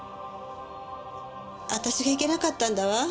私がいけなかったんだわ。